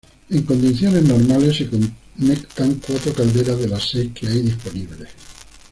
En condiciones normales, se conectan cuatro calderas de las seis que hay disponibles.